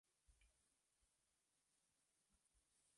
La infantería patriota siguió el combate hasta caer la noche.